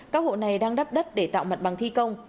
các hộ này đang đắp đất để tạo mặt bằng thi công